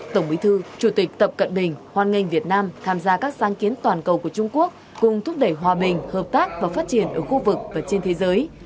tổng bí thư chủ tịch tập cận bình hoan nghênh việt nam tham gia các sáng kiến toàn cầu của trung quốc cùng thúc đẩy hòa bình hợp tác và phát triển ở khu vực và trên thế giới